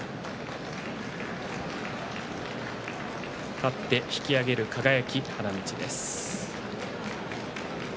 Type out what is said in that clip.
勝って引き揚げる輝花道です。